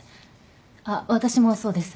あっ私もそうです。